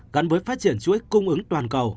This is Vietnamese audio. gắn với phát triển chuỗi cung ứng toàn cầu